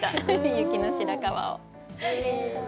雪の白川を。